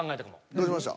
どうしました？